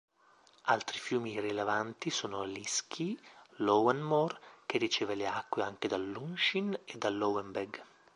Altri fiumi rilevanti sono l'Easky, l'Owenmore, che riceve le acque anche dell'Unshin e dell'Owenbeg.